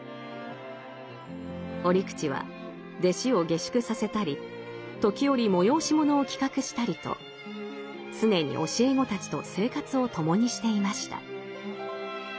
折口は弟子を下宿させたり時折催し物を企画したりと常に教え子たちと生活を共にしていました。